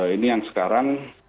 ini yang sekarang